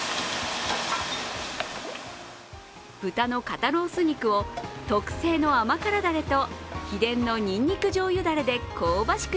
豚の肩ロース肉を特製の甘辛ダレと秘伝のにんにくじょうゆダレで香ばしく